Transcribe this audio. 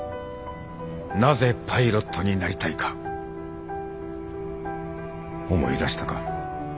なぜパイロットになりたいか思い出したか？